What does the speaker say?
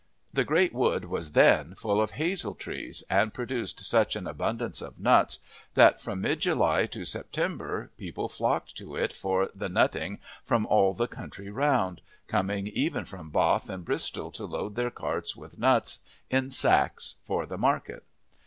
The great wood was then full of hazel trees, and produced such an abundance of nuts that from mid July to September people flocked to it for the nutting from all the country round, coming even from Bath and Bristol to load their carts with nuts in sacks for the market.